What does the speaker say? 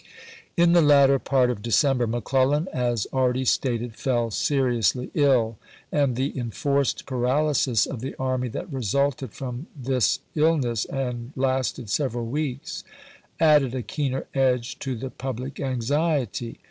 In the latter part of December, McClellan, as isei. already stated, fell seriously ill, and the enforced paralysis of the army that resulted from this ill ness and lasted several weeks, added a keener edge to the public anxiety.